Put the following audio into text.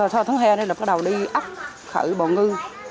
sau tháng hè này là bắt đầu đi ấp khởi bò ngư